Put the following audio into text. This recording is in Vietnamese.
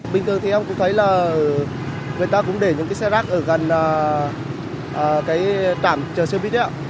bình thường thì em cũng thấy là người ta cũng để những cái xe rác ở gần cái trạm chờ xe buýt